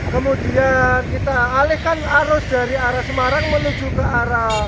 kemudian kita alihkan arus dari arah semarang menuju ke arah